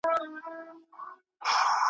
ولاړم بندیوانه زولنې راپسي مه ګوره ,